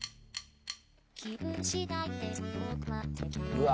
うわ